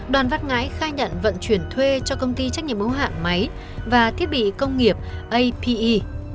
đoàn văn ngãi khai nhận vận chuyển thuê cho công ty trách nhiệm hữu hạn máy và thiết bị công nghiệp ape